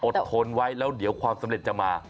ทนไว้แล้วเดี๋ยวความสำเร็จจะมา